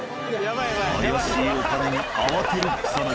怪しいお金に慌てる草薙。